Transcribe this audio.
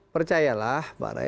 percayalah mbak re